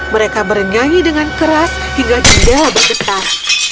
mereka bernyanyi dengan keras hingga jendela bergetar